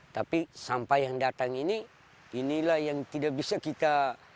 tapi sampah yang datang ini inilah yang tidak bisa kita